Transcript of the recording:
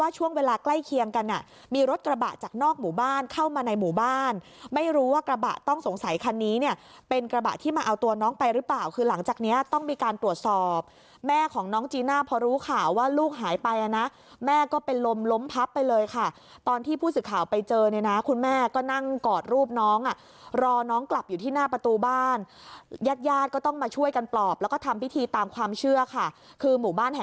จากนอกหมู่บ้านเข้ามาในหมู่บ้านไม่รู้ว่ากระบะต้องสงสัยคันนี้เนี่ยเป็นกระบะที่มาเอาตัวน้องไปหรือเปล่าคือหลังจากเนี้ยต้องมีการตรวจสอบแม่ของน้องจีน่าพอรู้ข่าวว่าลูกหายไปอ่ะนะแม่ก็เป็นลมล้มพับไปเลยค่ะตอนที่ผู้สื่อข่าวไปเจอเนี่ยนะคุณแม่ก็นั่งกอดรูปน้องอ่ะรอน้องกลับอยู่ที่หน้าประตูบ้